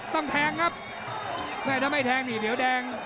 ต้องแทงครับถ้าไม่แทงเดี๋ยวนิบยา